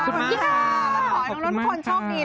ขอขอบคุณทุกคนโชคดี